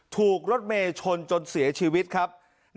ถูกรถเมย์ชนจนเสียชีวิตครับ